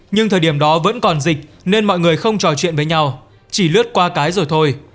nhưng thời điểm đó vẫn còn dịch nên mọi người không trò chuyện với nhau chỉ lướt qua cái rồi thôi